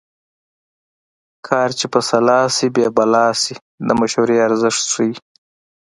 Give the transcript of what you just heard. کار چې په سلا شي بې بلا شي د مشورې ارزښت ښيي